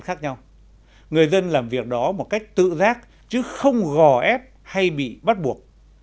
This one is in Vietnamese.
khác nhau người dân làm việc đó một cách tự giác chứ không gò ép hay bị bắt buộc